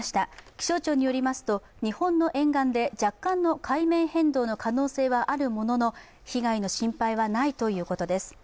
気象庁によりますと、日本の沿岸で若干の海面変動の可能性はあるものの、被害の心配はないということです。